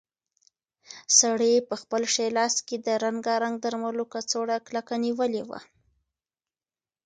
سړي په خپل ښي لاس کې د رنګارنګ درملو کڅوړه کلکه نیولې وه.